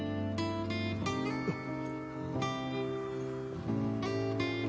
あっ。